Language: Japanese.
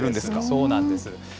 そうなんです。